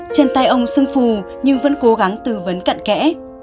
trên tay ông sưng phù nhưng vẫn cố gắng tư vấn cận kẽ